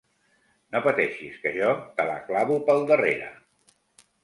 No pateixis que jo te la clavo pel darrere.